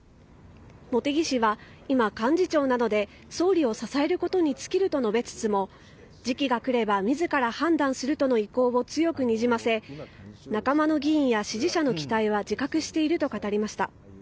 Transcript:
茂木氏は今、幹事長なので総理を支えることに尽きると述べつつも、時期が来ればみずから判断するとの意向を強くにじませ、仲間の議員や支持者の期待は自覚していると語りました。